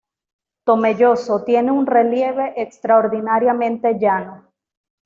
Tomelloso tiene un relieve extraordinariamente llano.